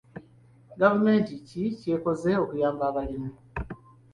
Gavumenti ki ky'ekoze okuyamba abalimi?